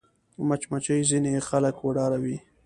مچمچۍ ځینې خلک وډاروي